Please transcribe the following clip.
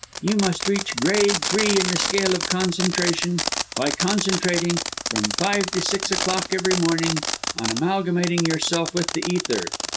You must reach grade three in the scale of concentration, by concentrating, from five to six o'clock, every morning, on amalgamating yourself with the ether.